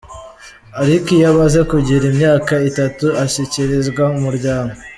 Ariko iyo amaze kugira imyaka itatu ashyikirizwa umuryango.